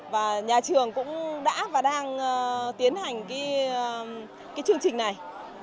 và nhà trường cũng đã và đang tiến hành chương trình này